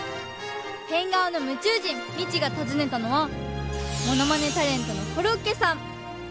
変顔の夢中人ミチがたずねたのはモノマネタレントのコロッケさん。